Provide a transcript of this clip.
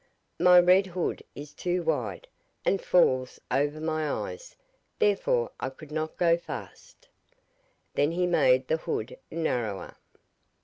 'My red hood is too wide, and falls over my eyes, therefore I could not go fast.' Then he made the hood narrower.